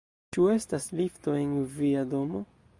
Ĉu estas lifto en via domo?